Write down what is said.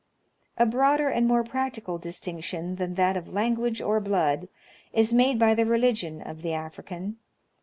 A broader and more practical distinction than that of language or blood is made by the religion of the African.